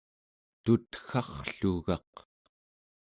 tutgarrlugaq